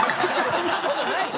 そんな事ないよ。